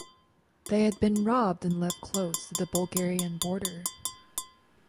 They had been robbed and left close to the Bulgarian border.